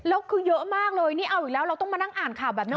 แล้วคือเยอะมากเลยนี่เอาอีกแล้วเราต้องมานั่งอ่านข่าวแบบนี้